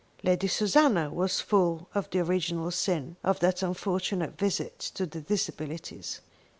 Lady Susanna was full of the original sin of that unfortunate visit to the Disabilities.